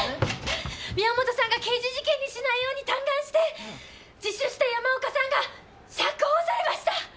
宮元さんが刑事事件にしないように嘆願して自首した山岡さんが釈放されました！